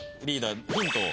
リーダー。